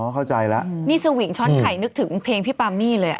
เข้าใจแล้วนี่สวิงช้อนไข่นึกถึงเพลงพี่ปามี่เลยอ่ะ